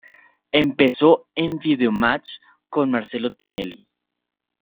Empezó en "Videomatch" con Marcelo Tinelli.